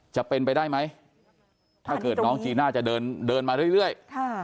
จะเป็นไปได้ไหมถ้าเกิดน้องจีน่าจะเดินมาเรื่อย